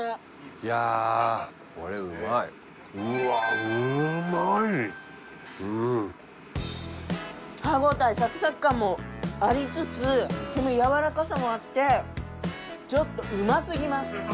いやあこれうまい歯ごたえサクサク感もありつつこのやわらかさもあってちょっとうますぎます